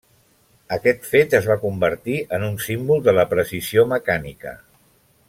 Aquest fet es va convertir en un símbol de la precisió mecànica.